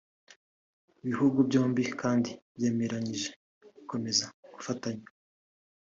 Ibihugu byombi kandi byemeranyije gukomeza gufatanya